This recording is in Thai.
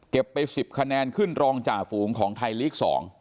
ไป๑๐คะแนนขึ้นรองจ่าฝูงของไทยลีก๒